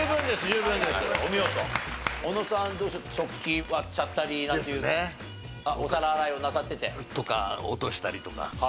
食器割っちゃったりなんて。ですね。お皿洗いをなさってて？とか落としたりとか。